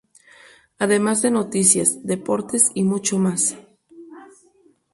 Además de noticias, deportes y mucho más.